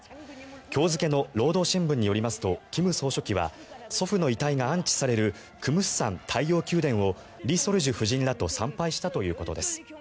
今日付の労働新聞によりますと金総書記は祖父の遺体が安置されるクムスサン太陽宮殿を李雪主夫人らと参拝したということです。